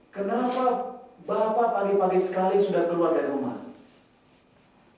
kenapa bapak pagi pagi sekali sudah keluar dari rumah